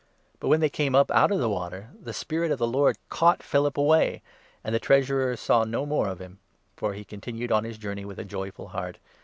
But, when they came' up out of the water, the Spirit of 39 the Lord caught Philip away, and the Treasurer saw no more of him ; for he continued his journey with a joyful heart.